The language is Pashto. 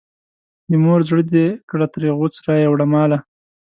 د مور زړه دې کړه ترې غوڅ رایې وړه ماله.